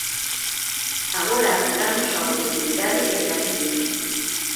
Agora agardamos a oportunidade que terá que vir.